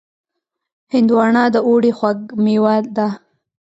هندوانه د اوړي خوږ مېوه ده.